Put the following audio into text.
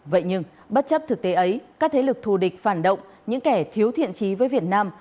vậy nhưng bất chấp thực tế ấy các thế lực thù địch phản động những kẻ thiếu thiện trí với việt nam